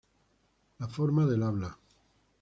La forma del habla.